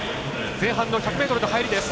前半の１００ｍの入り。